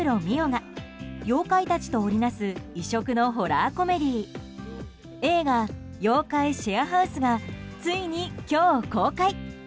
澪が妖怪たちと織りなす異色のホラーコメディー映画「妖怪シェアハウス」がついに今日公開。